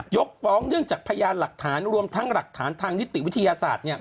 ฟ้องเนื่องจากพยานหลักฐานรวมทั้งหลักฐานทางนิติวิทยาศาสตร์